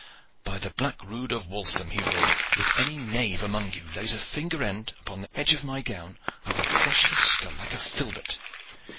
"By the black rood of Waltham!" he roared, "if any knave among you lays a finger end upon the edge of my gown, I will crush his skull like a filbert!"